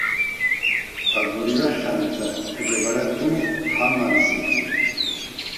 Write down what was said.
Агәырҩа хьамҭа, аџьабара ду ҳаман зегьы.